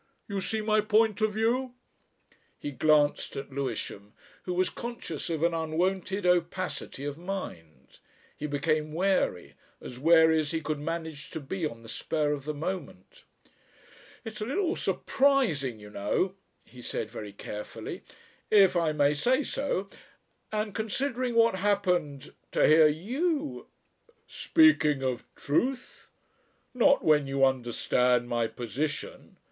You see my point of view?" He glanced at Lewisham, who was conscious of an unwonted opacity of mind. He became wary, as wary as he could manage to be on the spur of the moment. "It's a little surprising, you know," he said very carefully, "if I may say so and considering what happened to hear you ..." "Speaking of truth? Not when you understand my position.